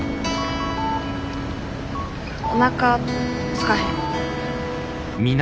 おなかすかへん？